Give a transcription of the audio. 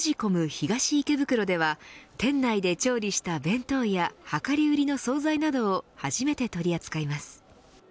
東池袋では店内で調理した弁当や量り売りの総菜などを初めて取り扱います。